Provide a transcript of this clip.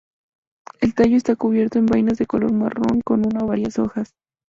El tallo está cubierto con vainas de color marrón con una o varias hojas.